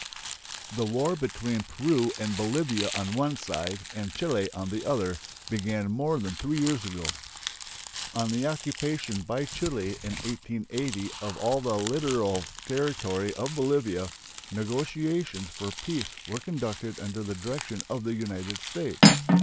The war between Peru and Bolivia on the one side and Chile on the other began more than three years ago. On the occupation by Chile in 1880 of all the littoral territory of Bolivia, negotiations for peace were conducted under the direction of the United States.